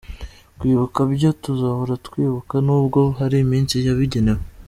Kwibuka byo tuzahora twibuka nubwo hari iminsi yabigenewe.